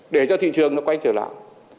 để cho thị trường nó quay trở lại